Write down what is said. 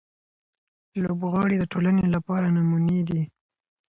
لوبغاړي د ټولنې لپاره نمونې دي.